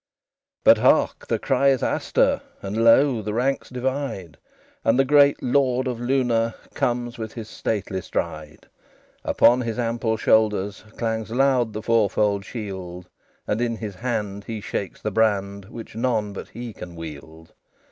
XLII But hark! the cry is Astur: And lo! the ranks divide; And the great Lord of Luna Comes with his stately stride. Upon his ample shoulders Clangs loud the four fold shield, And in his hand he shakes the brand Which none but he can wield.